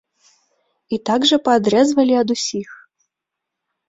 І так жа паадрэзвалі ад усіх.